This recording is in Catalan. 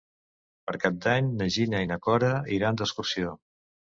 Per Cap d'Any na Gina i na Cora iran d'excursió.